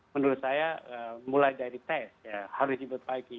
menurut saya mulai dari tes ya harus diperbaiki